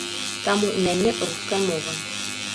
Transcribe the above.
Таму ў мяне руская мова.